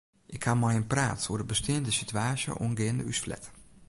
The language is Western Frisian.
Ik ha mei him praat oer de besteande sitewaasje oangeande ús flat.